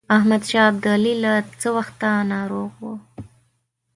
احمدشاه ابدالي له څه وخته ناروغ وو.